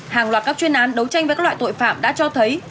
hàng loạt các chuyên án đấu tranh với các loại tội phạm đã cho thấy